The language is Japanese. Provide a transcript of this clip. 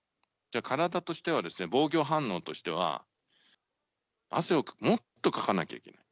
体としては、防御反応としては、汗をもっとかかなきゃいけない。